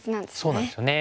そうなんですよね。